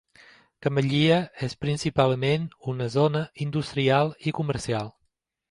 Camellia és principalment una zona industrial i comercial.